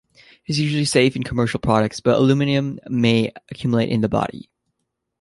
It is usually safe in commercial products, but aluminium may accumulate in the body.